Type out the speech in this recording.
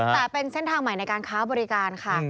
แต่เป็นเส้นทางใหม่ในการค้าบริการค่ะ